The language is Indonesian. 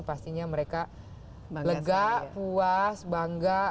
pastinya mereka lega puas bangga